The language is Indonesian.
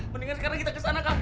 mendingan sekarang kita ke sana